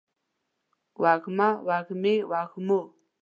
وږمه، وږمې ، وږمو